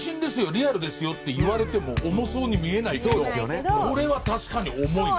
リアルですよって言われても重そうに見えないけどこれは確かに重いね。